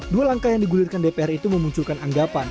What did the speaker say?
dua langkah yang digulirkan dpr itu memunculkan anggapan